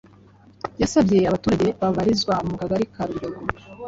yasabye abaturage babarizwa mu kagari ka Biryogo